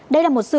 đây là một sự cổ